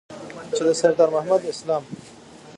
چې د سردار محمد اسلام